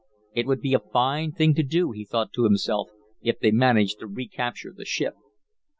"It would be a fine thing to do," he thought to himself, "if they managed to recapture the ship."